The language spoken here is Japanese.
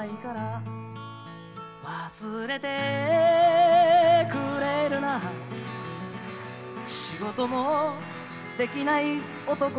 「忘れてくれるな仕事もできない男に」